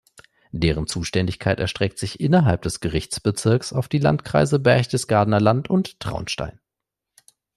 Deren Zuständigkeit erstreckt sich innerhalb des Gerichtsbezirks auf die Landkreise Berchtesgadener Land und Traunstein.